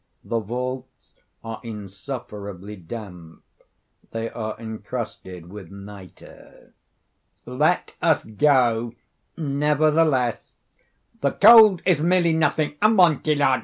The vaults are insufferably damp. They are encrusted with nitre." "Let us go, nevertheless. The cold is merely nothing. Amontillado!